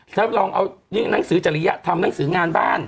ถ้าเราลองเอานังสือจริยธรรมนังสืองานบ้าน